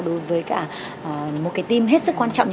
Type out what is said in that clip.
đối với cả một team hết sức quan trọng